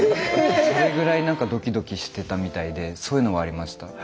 それぐらいドキドキしてたみたいでそういうのはありました。